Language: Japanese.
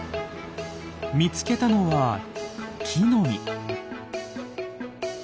見つけたのは木の実。